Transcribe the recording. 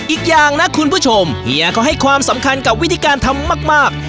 อีกอย่างนะคุณผู้ชมเฮียเขาให้ความสำคัญกับวิธีการทำมาก